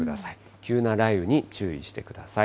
急な雷雨に注意してください。